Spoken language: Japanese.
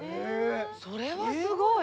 それはすごい。